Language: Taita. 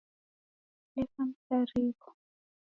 Leka msarigho.